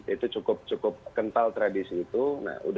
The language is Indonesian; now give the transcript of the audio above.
itu cukup cukup kental tradisi itu